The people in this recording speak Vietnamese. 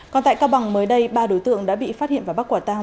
còn tại cao bằng mới đây ba đối tượng đã bị phát hiện và bắt quả tang